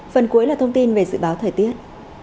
phần cuối là thông tin về dự báo thời tiết